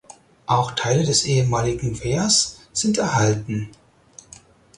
Auch Teile des ehemaligen Wehrs sind erhalten.